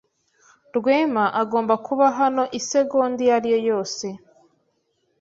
Rwema agomba kuba hano isegonda iyo ari yo yose.